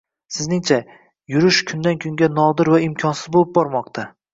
Sizningcha, yurish kundan -kunga nodir va imkonsiz bo'lib bormoqda?